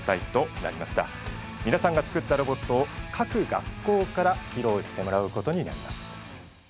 皆さんが作ったロボットを各学校から披露してもらうことになります。